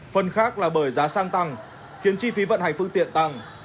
phần khác là bởi giá xăng tăng khiến chi phí vận hành phương tiện tăng